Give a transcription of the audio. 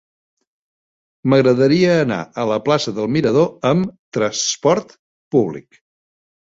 M'agradaria anar a la plaça del Mirador amb trasport públic.